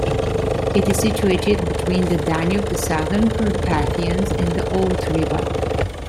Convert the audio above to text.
It is situated between the Danube, the Southern Carpathians and the Olt river.